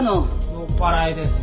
酔っ払いですよ。